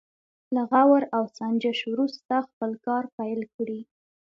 له غور او سنجش وروسته خپل کار پيل کړي.